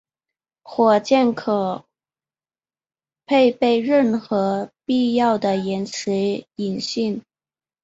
火箭可配备任何必要的延迟引信。